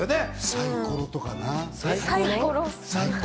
サイコロとかかな？